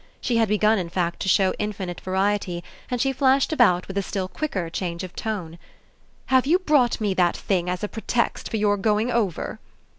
She had begun in fact to show infinite variety and she flashed about with a still quicker change of tone. "Have you brought me that thing as a pretext for your going over?"